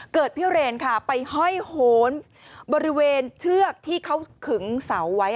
พิเรนค่ะไปห้อยโหนบริเวณเชือกที่เขาขึงเสาไว้